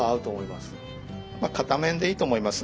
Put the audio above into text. まあ片面でいいと思います。